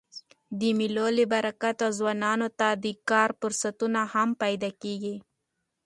د مېلو له برکته ځوانانو ته د کار فرصتونه هم پیدا کېږي.